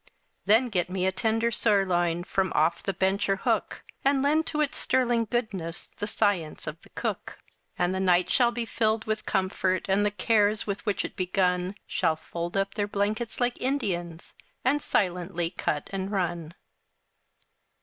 Then get me a tender sirloin From off the bench or hook. And lend to its sterling goodness The science of the cook. And the night shall be filled with comfort, And the cares with which it begun Shall fold up their blankets like Indians, And silently cut and run.